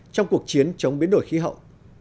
trong cuộc chiến chống biến đổi khí hậu